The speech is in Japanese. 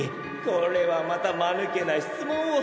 これはまた間抜けな質問を！